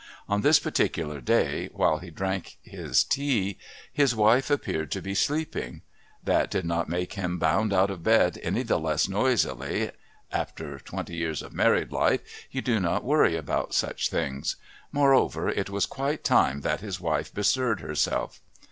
On this particular day while he drank his tea his wife appeared to be sleeping; that did not make him bound out of bed any the less noisily after twenty years of married life you do not worry about such things; moreover it was quite time that his wife bestirred herself.